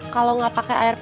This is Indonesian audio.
kalau nggak pakai air